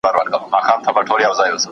دورکهايم له اعدادو پراخه ګټه واخيسته.